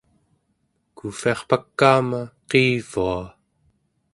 kuuvviarpakaama qiivua